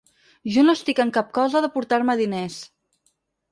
Jo no estic en cap cosa de portar-me diners.